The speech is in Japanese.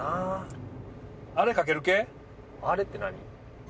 「あれ」って何？